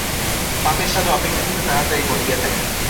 পাপের সাজা অপেক্ষাকৃত তাড়াতাড়ি ঘটিয়া থাকে।